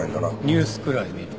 ニュースくらい見る。